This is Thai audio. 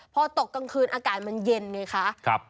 พอตกกลางคืนอากาศมันเย็นไงคะ